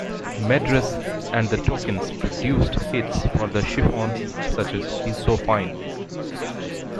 Medress and the Tokens produced hits for the Chiffons, such as "He's So Fine".